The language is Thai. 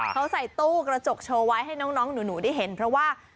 เขาใส่ตู้กระจกโชว์ไว้ให้น้องหนูได้เห็นเพราะว่า